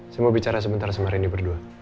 saya mau bicara sebentar sama rendy berdua